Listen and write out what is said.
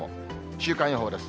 週間予報です。